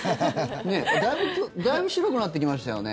だいぶ白くなってきましたよね。